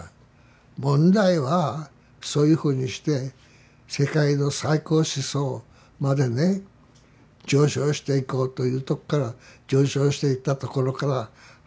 問題はそういうふうにして世界の最高思想までね上昇していこうというとこから反転してだね